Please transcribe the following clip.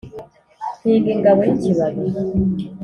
Nkinga ingabo y'ikibabi